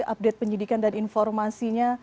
update pendidikan dan informasinya